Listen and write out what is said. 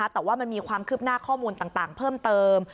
แต่ว่ามันมีความคืบหน้าข้อมูลต่างเพิ่มเติม